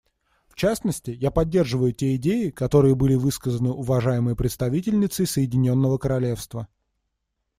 В частности, я поддерживаю те идеи, которые были высказаны уважаемой представительницей Соединенного Королевства.